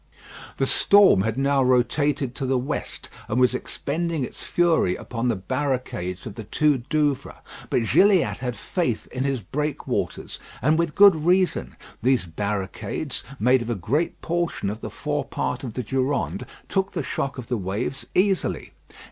The storm had now rotated to the west, and was expending its fury upon the barricades of the two Douvres. But Gilliatt had faith in his breakwaters, and with good reason. These barricades, made of a great portion of the fore part of the Durande, took the shock of the waves easily.